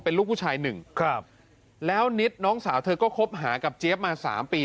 เป็นลูกผู้ชายหนึ่งครับแล้วนิดน้องสาวเธอก็คบหากับเจี๊ยบมาสามปี